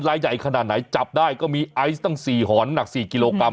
ใหญ่ขนาดไหนจับได้ก็มีไอซ์ตั้ง๔หอนหนัก๔กิโลกรัม